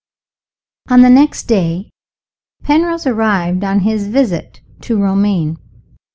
ON the next day Penrose arrived on his visit to Romayne.